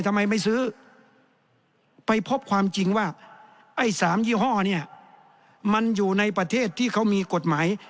ทำไมไม่ซื้อไปพบความจริงว่าไอ้๓ยี่ห้อเนี่ยมันอยู่ในประเทศที่เขามีกฎหมาย